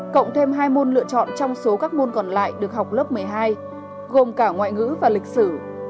cộng thêm hai môn lựa chọn trong số các môn còn lại được học lớp một mươi hai gồm cả ngoại ngữ và lịch sử